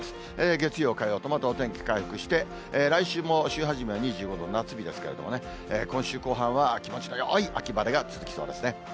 月曜、火曜とまたお天気回復して、来週も週初めは２５度、夏日ですけれどもね、今週後半は気持ちのよい秋晴れが続きそうですね。